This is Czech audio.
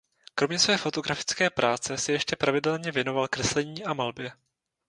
Kromě své fotografické práce se ještě pravidelně věnoval kreslení a malbě.